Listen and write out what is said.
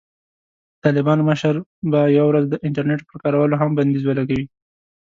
د طالبانو مشر به یوه ورځ د "انټرنېټ" پر کارولو هم بندیز ولګوي.